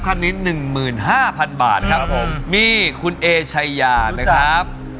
คันนี้หนึ่งหมื่นห้าพันบาทครับผมมีคุณเอชายานะครับ